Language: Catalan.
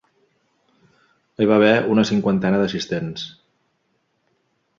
Hi va haver una cinquantena d'assistents.